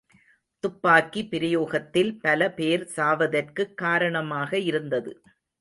துப்பாக்கி பிரயோகத்தில் பல பேர் சாவதற்குக் காரணமாக இருந்தது.